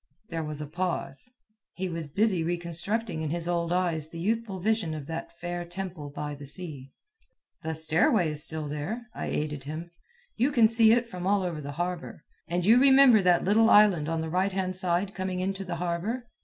There was a pause. He was busy reconstructing in his old eyes the youthful vision of that fair temple by the sea. "The stairway is still there," I aided him. "You can see it from all over the harbor. And you remember that little island on the right hand side coming into the harbor?"